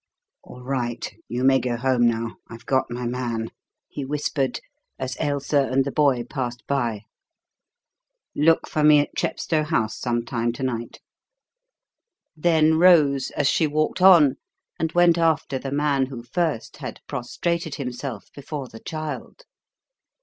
"All right. You may go home now. I've got my man," he whispered, as Ailsa and the boy passed by. "Look for me at Chepstow House some time to night." Then rose, as she walked on, and went after the man who first had prostrated himself before the child.